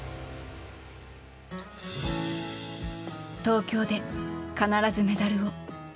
東京で必ずメダルを。